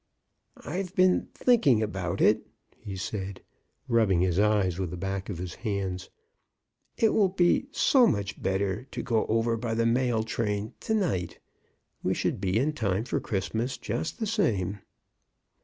" IVe been thinking about it," he said, rub bing his eyes with the back of his hands. *• It will be so much better to go over by the mail train to night. We should be in time for Christmas just the same."